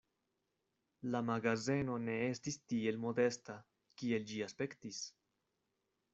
La magazeno ne estis tiel modesta, kiel ĝi aspektis.